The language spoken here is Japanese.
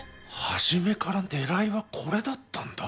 初めから狙いはこれだったんだ。